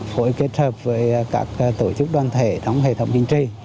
phối kết hợp với các tổ chức đoàn thể trong hệ thống chính trị